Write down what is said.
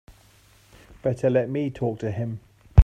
Better let me talk to him.